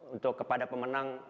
untuk kepada pemenang